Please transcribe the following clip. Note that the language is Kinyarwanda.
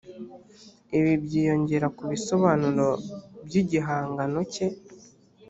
ibi byiyongera ku bisobanuro by’igihangano cye